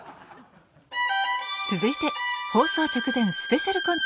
続いて放送直前スペシャルコント